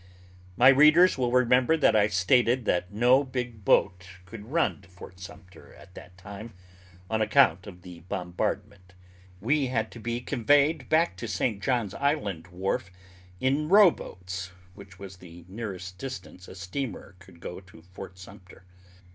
My readers will remember that I stated that no big boat could run to Fort Sumter at that time, on account of the bombardment. We had to be conveyed back to John's Island wharf in rowboats, which was the nearest distance a steamer could go to Fort Sumter.